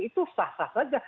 itu sah sah saja